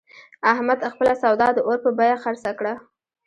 احمد خپله سودا د اور په بیه خرڅه کړه.